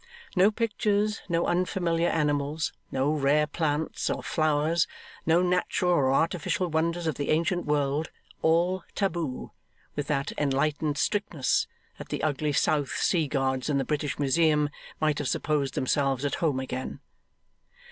No pictures, no unfamiliar animals, no rare plants or flowers, no natural or artificial wonders of the ancient world all taboo with that enlightened strictness, that the ugly South Sea gods in the British Museum might have supposed themselves at home again.